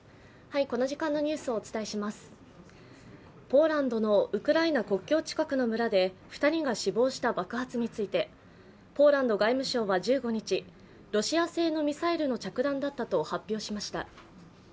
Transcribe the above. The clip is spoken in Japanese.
ポーランドのウクライナ国境近くの村で２人が死亡した爆発について、ポーランド外務省は１５日、ロシア製のミサイルの着弾だったと発表しました。